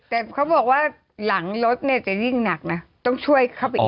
แต่เขาบอกว่าหลังรถเนี่ยจะยิ่งหนักนะต้องช่วยเข้าไปอีก